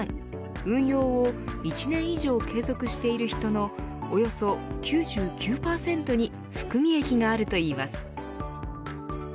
運用を１年以上継続している人のおよそ９９％に含み益があるといいます。